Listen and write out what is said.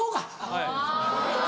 はい。